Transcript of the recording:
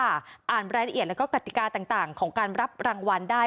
อ่านรายละเอียดแล้วก็กติกาต่างของการรับรางวัลได้